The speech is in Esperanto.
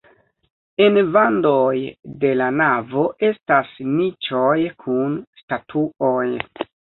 En vandoj de la navo estas niĉoj kun statuoj.